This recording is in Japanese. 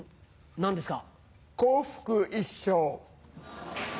何ですか？